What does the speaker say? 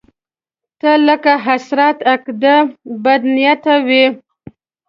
ته لکه حسرت، عقده، بدنيته وې